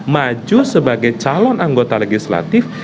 maju sebagai calon anggota legislatif